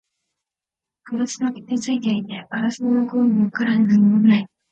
ガラスは傷ついていて、ガラスの向こうは真っ暗で何もない